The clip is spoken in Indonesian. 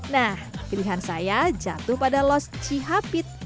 nah pilihan saya jatuh pada los cihapit